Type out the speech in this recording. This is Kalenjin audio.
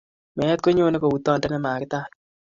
Meet ko nyoni kou tondet ne makitaach.